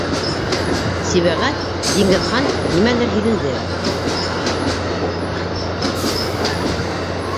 Сибәғәт-Диңгеҙхан нимәлер һиҙенде.